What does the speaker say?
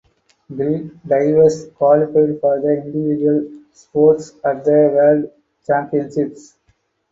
Greek divers qualified for the individual spots at the World Championships.